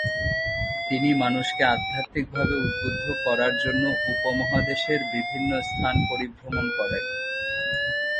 তিনি মানুষকে আধ্যাত্মিক ভাবে উদ্বুদ্ধ করার জন্য উপমহাদেশের বিভিন্ন স্থান পরিভ্রমণ করেন।